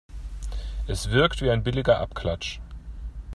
Es wirkt wie ein billiger Abklatsch.